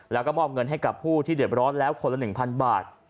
แล้วก็มอบเงินให้กับผู้ที่เดือดร้อนแล้วคนละ๑๐๐บาท